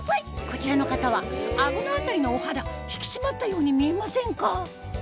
こちらの方は顎の辺りのお肌引き締まったように見えませんか？